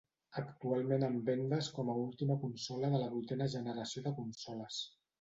Actualment en vendes com a última consola de la vuitena generació de consoles.